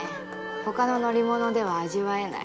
ほかの乗り物では味わえない。